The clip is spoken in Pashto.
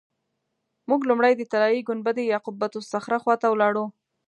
موږ لومړی د طلایي ګنبدې یا قبة الصخره خوا ته ولاړو.